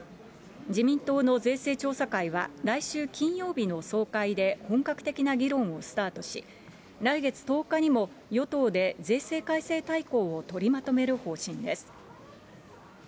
自民党の税制調査会は来週金曜日の総会で、本格的な議論をスタートし、来月１０日にも、与党で税制改正大綱を取りまとめる方針です。